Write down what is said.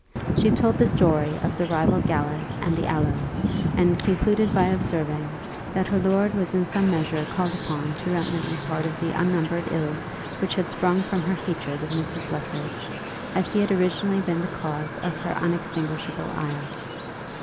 She told the story of the rival galas and the aloe, and concluded by observing, that her lord was in some measure called upon to remedy part of the unnumbered ills which had sprung from her hatred of Mrs. Luttridge, as he had originally been the cause of her unextinguishable ire.